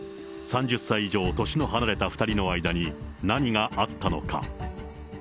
３０歳以上年の離れた２人の間に、何があったのか。